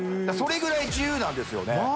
それぐらい自由なんですよね。